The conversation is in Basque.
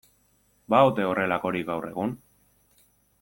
Ba ote horrelakorik gaur egun?